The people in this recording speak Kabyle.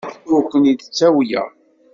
Ur ken-id-ttawyeɣ.